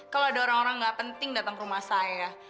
kalo ada orang orang ga penting dateng ke rumah saya